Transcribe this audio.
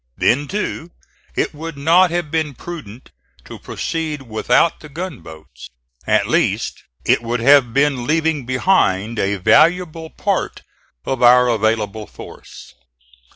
Then, too, it would not have been prudent to proceed without the gunboats. At least it would have been leaving behind a valuable part of our available force.